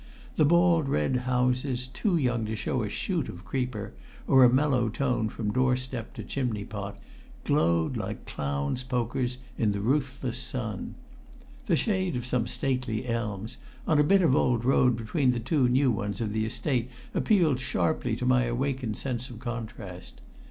The bald red houses, too young to show a shoot of creeper, or a mellow tone from doorstep to chimney pot, glowed like clowns' pokers in the ruthless sun. The shade of some stately elms, on a bit of old road between the two new ones of the Estate, appealed sharply to my awakened sense of contrast.